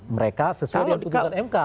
mereka sesuai dengan putusan mk